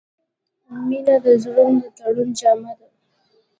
• مینه د زړونو د تړون جامه ده.